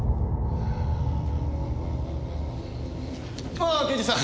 ああ刑事さん。